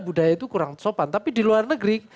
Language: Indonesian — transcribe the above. budaya itu kurang sopan tapi di luar negeri